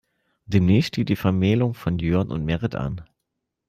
Demnächst steht die Vermählung von Jörn und Merit an.